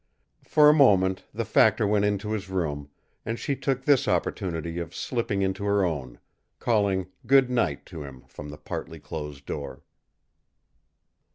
For a moment the factor went into his room, and she took this opportunity of slipping into her own, calling "Good night" to him from the partly closed door.